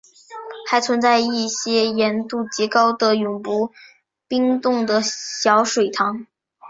还存在一些盐度极高的永不冰冻的小水塘。